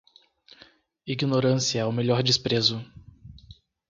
Ignorância é o melhor desprezo.